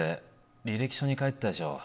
履歴書に書いてたでしょ